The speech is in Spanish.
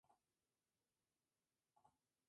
Fue uno de los obispos arrianos más importantes.